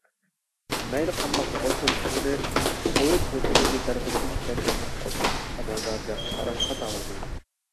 مەيلى قانداقلا بولسۇن ئۇنى سوۋېت ھۆكۈمىتى تەرىپىدىن تىكلەنگەن بىر قورچاق ئەمەلدار دەپ قاراش خاتا بولمايدۇ.